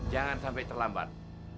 jangan sampai terlambat